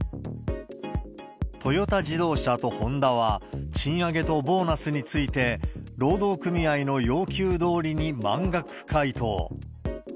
トヨタ自動車とホンダは、賃上げとボーナスについて、労働組合の要求どおりに満額回答。